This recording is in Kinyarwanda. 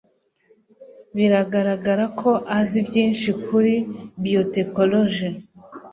Biragaragara ko azi byinshi kuri biotechnologie.